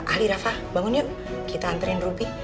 ali rafa bangun yuk kita anterin ruby